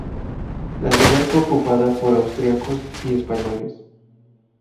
La ciudad fue ocupada por austríacos y españoles.